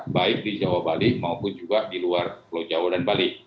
baik di jawa bali maupun juga di luar pulau jawa dan bali